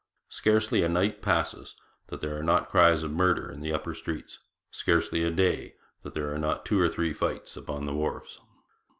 Scarcely a night passes that there are not cries of murder in the upper streets; scarcely a day that there are not two or three fights upon the wharves.'